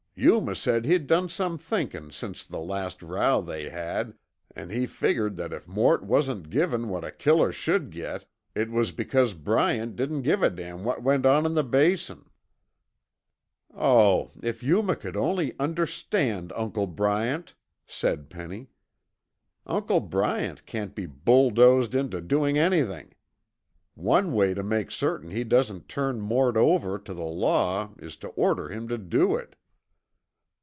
"Yuma said he'd done some thinkin' since the last row they had an' he figgered that if Mort wasn't given what a killer sh'd git, it was because Bryant didn't give a damn what went on in the Basin." "Oh, if Yuma could only understand Uncle Bryant!" said Penny. "Uncle Bryant can't be bulldozed into doing anything. One way to make certain he doesn't turn Mort over to the law is to order him to do it."